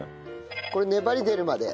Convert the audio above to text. これ粘り出るまで？